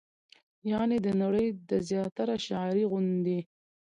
يعنې د نړۍ د زياتره شاعرۍ غوندې